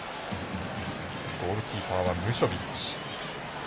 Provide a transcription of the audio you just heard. ゴールキーパーはムショビッチ。